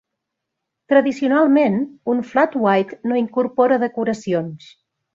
Tradicionalment, un "flat white" no incorpora decoracions.